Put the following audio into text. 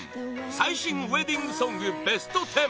最新ウェディングソングＢＥＳＴ１０